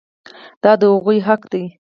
دا د هغوی حق دی.